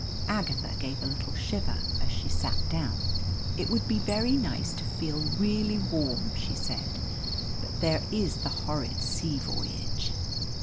Agatha gave a little shiver as she sat down. "It would be very nice to feel really warm," she said. "But there is the horrid sea voyage."